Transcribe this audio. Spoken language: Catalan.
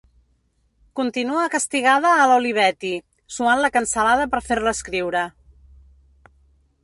Continua castigada a l'Olivetti, suant la cansalada per fer-la escriure.